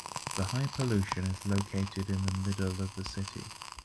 The high pollution is located in the middle of the city.